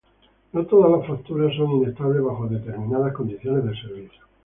No todas las fracturas son inestables bajo determinadas condiciones de servicio.